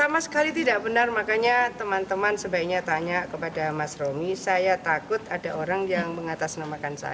pertanyaan pertama adalah kapan pelatih bukit kambing menempah di krovisi